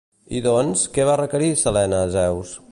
I doncs, que va requerir Selene a Zeus?